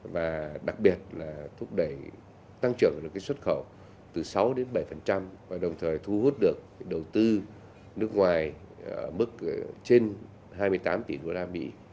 và đặc biệt là thúc đẩy tăng trưởng được xuất khẩu từ sáu đến bảy và đồng thời thu hút được đầu tư nước ngoài mức trên hai mươi tám tỷ đô la mỹ